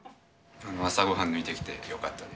朝ごはん抜いてきてよかったです。